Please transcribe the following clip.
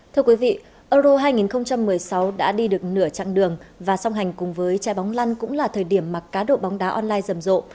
thưa quý vị euro hai nghìn một mươi sáu đã đi được nửa chặng đường và song hành cùng với trái bóng lăn cũng là thời điểm mà cá độ bóng đá online rầm rộ